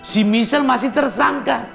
si misal masih tersangka